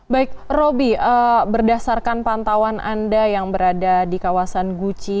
baik roby berdasarkan pantauan anda yang berada di kawasan guci